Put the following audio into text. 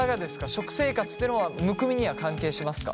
食生活っていうのはむくみには関係しますか？